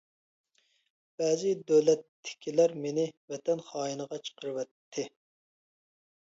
بەزى دۆلەتتىكىلەر مېنى ۋەتەن خائىنىغا چىقىرىۋەتتى.